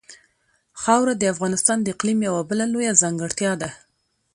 خاوره د افغانستان د اقلیم یوه بله لویه ځانګړتیا ده.